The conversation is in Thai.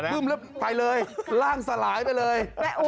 ึ้มแล้วไปเลยร่างสลายไปเลย